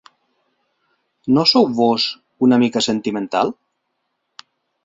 No sou "vós" una mica sentimental?